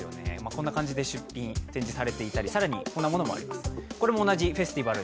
こんな感じで展示されていたり、更にこういうものもあります。